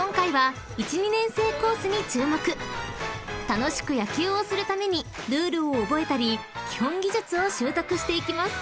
［楽しく野球をするためにルールを覚えたり基本技術を習得していきます］